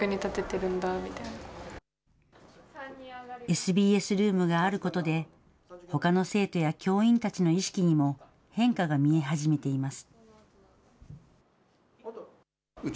ＳＢＳルームがあることで、ほかの生徒や教員たちの意識にも変化が見え始めています。